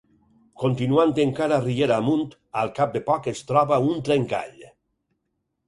Continuant encara riera amunt, al cap de poc es troba un trencall.